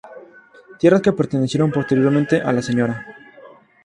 Tierras que pertenecieron, posteriormente, a la Sra.